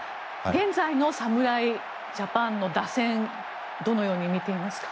現在の侍ジャパンの打線はどのように見ていますか？